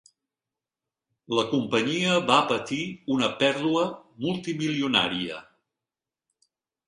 La companyia va patir una pèrdua multimilionària.